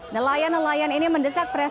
nelayan nelayan ini mendesak